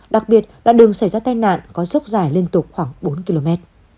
đặc biệt là đường xảy ra tai nạn có dốc dài liên tục khoảng bốn km